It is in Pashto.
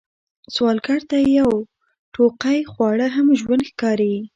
سوالګر ته یو ټوقی خواړه هم ژوند ښکاري